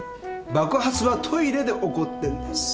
爆発はトイレで起こってるんです。